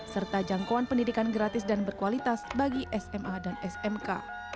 serta jangkauan pendidikan gratis dan berkualitas bagi sma dan smk